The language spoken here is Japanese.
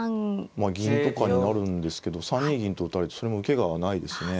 まあ銀とかになるんですけど３二銀と打たれてそれも受けがないですね。